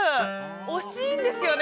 惜しいんですよね